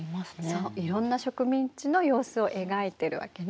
そういろんな植民地の様子を描いてるわけね。